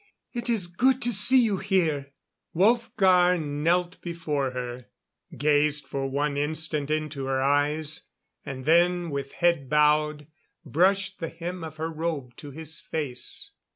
It is good to see you here." Wolfgar knelt before her, gazed for one instant into her eyes, and then with head bowed, brushed the hem of her robe to his face.